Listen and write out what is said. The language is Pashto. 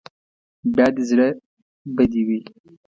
بیا دې زړه بدې وي.